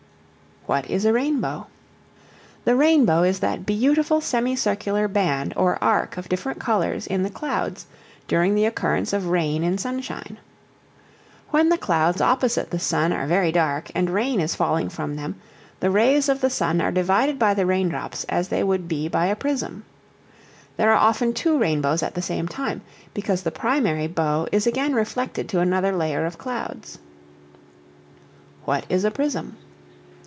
What is a Rainbow? The rainbow is that beautiful semi circular band or arc of different colors in the clouds during the occurrence of rain in sunshine. When the clouds opposite the sun are very dark and rain is falling from them, the rays of the sun are divided by the raindrops as they would be by a prism. There are often two rainbows at the same time, because the primary bow is again reflected to another layer of clouds. What is a Prism?